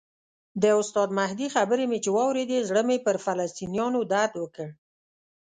د استاد مهدي خبرې چې مې واورېدې زړه مې پر فلسطینیانو درد وکړ.